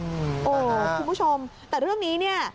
คุณผู้ชมแต่เรื่องนี้